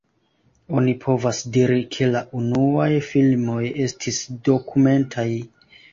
Oni povas diri ke la unuaj filmoj estis dokumentaj.